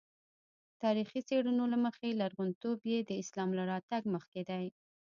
تاریخي څېړنو له مخې لرغونتوب یې د اسلام له راتګ مخکې دی.